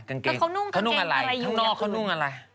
กางเกงทางนอกเขานุ่งอะไรอยู่อย่างคุณกางเกงอะไร